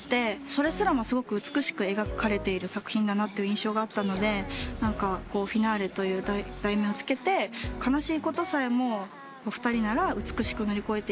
それすらもすごく美しく描かれている作品だなという印象があったので『フィナーレ。』という題名を付けて悲しいことさえも２人なら美しく乗り越えていける。